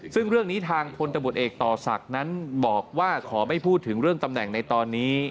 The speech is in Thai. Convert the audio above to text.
ซึ่งเรื่องนี้ทางพลตำรวจเอกต่อศักดิ์นั้นบอกว่าขอไม่พูดถึงเรื่องตำแหน่งในตอนนี้